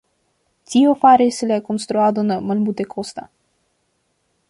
Tio faris la konstruadon malmultekosta.